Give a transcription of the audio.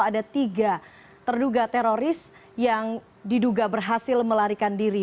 ada tiga terduga teroris yang diduga berhasil melarikan diri